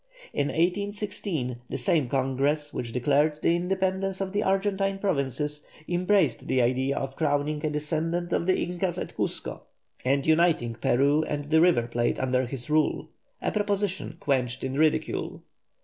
In 1816 that same Congress which declared the independence of the Argentine Provinces, embraced the idea of crowning a descendant of the Incas at Cuzco, and uniting Peru and the River Plate under his rule, a proposition quenched in ridicule.